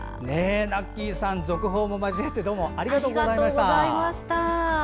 Ｎａｋｋｙさん、続報も交えてどうもありがとうございました。